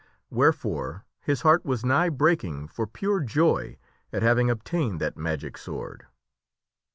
Wherefore his heart was nigh breaking for pure joy at having obtained that magic sword.